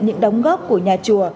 những đóng góp của nhà chùa